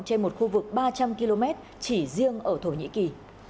trên một khu vực ba trăm linh km chỉ riêng ở thổ nhĩ kỳ